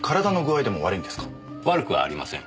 悪くはありません。